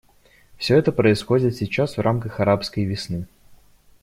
Все это происходит сейчас в рамках «арабской весны».